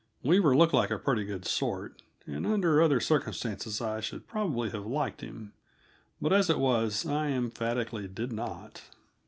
Weaver looked like a pretty good sort, and under other circumstances I should probably have liked him, but as it was I emphatically did not.